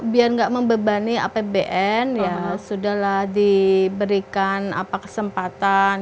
biar nggak membebani apbn ya sudah lah diberikan kesempatan